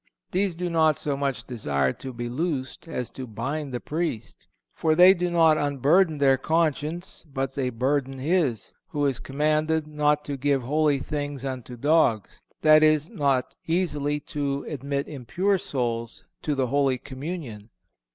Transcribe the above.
These do not so much desire to be loosed as to bind the Priest; for they do not unburden their conscience, but they burden his, who is commanded not to give holy things unto dogs—that is, not easily to admit impure souls to the Holy Communion."